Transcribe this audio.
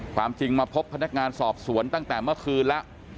ความจริงมาพบพนักงานสอบสวนตั้งแต่เมื่อคืนแล้ว